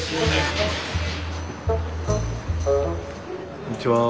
こんにちは。